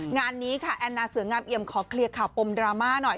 งานนี้ค่ะแอนนาเสืองามเอียมขอเคลียร์ข่าวปมดราม่าหน่อย